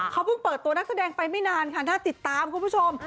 เขาเพิ่งเปิดตัวนักแสดงไปไม่นานค่ะน่าติดตามคุณผู้ชม